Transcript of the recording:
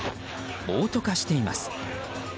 暴徒化しています。